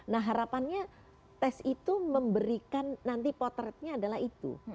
nah harapannya tes itu memberikan nanti potretnya adalah itu